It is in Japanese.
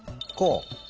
こう？